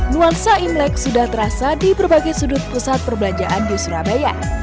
nuansa imlek sudah terasa di berbagai sudut pusat perbelanjaan di surabaya